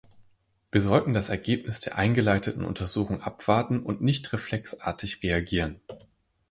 Wir sollten das Ergebnis der eingeleiteten Untersuchung abwarten und nicht reflexartig reagieren.